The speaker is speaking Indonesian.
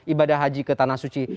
ibadah haji ke tanah suci